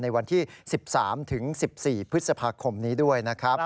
ในวันที่๑๓๑๔พฤษภาคมนี้ด้วยนะครับ